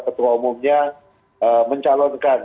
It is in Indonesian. ketua umumnya mencalonkan